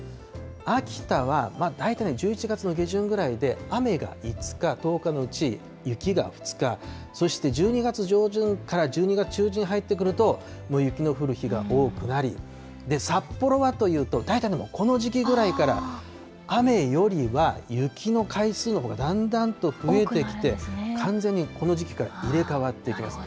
秋田は大体ね、１１月の下旬ぐらいで雨が５日、１０日のうち雪が２日、そして１２月上旬から１２月中旬に入ってくると、雪の降る日が多くなり、札幌はというと、大体ね、もうこの時期ぐらいから、雨よりは雪の回数のほうがだんだんと増えてきて、完全にこの時期から入れ代わってきます。